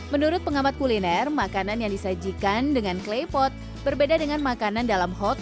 menurut pengamat kuliner makanan yang disajikan dengan klepot berbeda dengan makanan dalam hotel